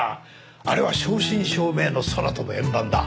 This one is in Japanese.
あれは正真正銘の空飛ぶ円盤だ。